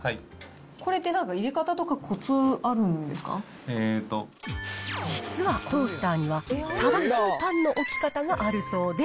これってなんか、実はトースターには、正しいパンの置き方があるそうで。